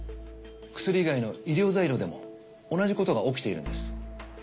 薬以外の医療材料でも同じことが起きているんです。